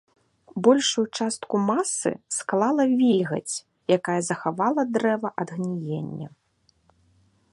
Большую частку масы склала вільгаць, якая захавала дрэва ад гніення.